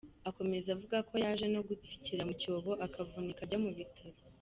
Akomeza avuga ko yaje no gutsikira mu cyobo akavunika, ajya mu bitaro.